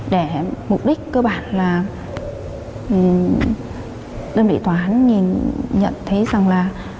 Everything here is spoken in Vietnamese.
để mục đích cơ bản là đơn vị tòa án nhận được